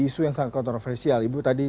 isu yang sangat kontroversial ibu tadi